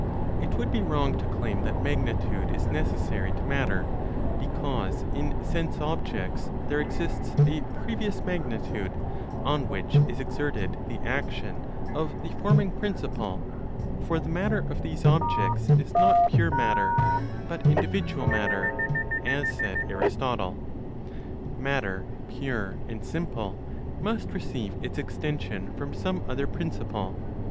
It would be wrong to claim that magnitude is necessary to matter because, in sense objects, there exists a previous magnitude, on which is exerted the action of the forming principle; for the matter of these objects is not pure matter, but individual matter (as said Aristotle). Matter pure and simple must receive its extension from some other principle.